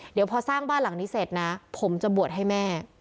เดี๋ยวพอสร้างบ้านหลังนี้เสร็จนะผมจะบวชให้แม่